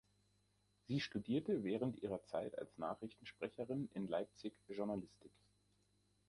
Sie studierte während ihrer Zeit als Nachrichtensprecherin in Leipzig Journalistik.